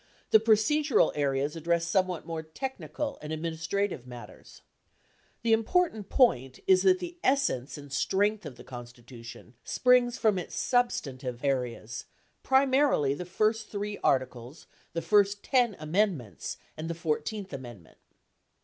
The procedural areas address somewhat more techni cal and administrative matters. The important point is that the es sence and strength of the Constitution springs from its substantive areas, primarily the first three articles, the first 10 amendments and the 14th amendment.